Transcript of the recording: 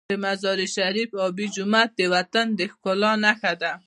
د مزار شریف آبي جومات د وطن د ښکلا نښه ده.